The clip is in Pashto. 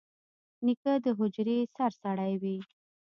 نیکه د حجرې سرسړی وي.